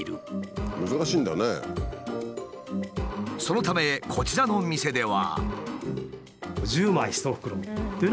そのためこちらの店では。